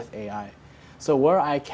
jadi di mana saya bisa